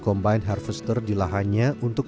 combine harvester di lahannya untuk